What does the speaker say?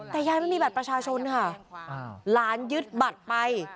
แต่ยายไม่มีบัตรประชาชนค่ะหลานยึดบัตรไป